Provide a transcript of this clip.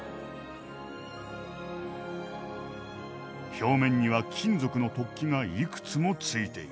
表面には金属の突起がいくつもついている。